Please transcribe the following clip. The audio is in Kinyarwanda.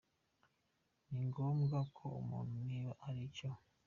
Ni ngombwa ko umuntu niba hari icyo